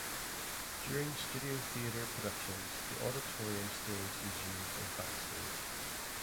During Studio Theater productions the Auditorium stage is used as backstage.